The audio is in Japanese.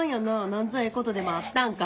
なんぞええことでもあったんか？